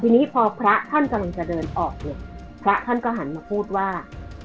ทีนี้พอพระท่านกำลังจะเดินออกเนี่ยพระท่านก็หันมาพูดว่า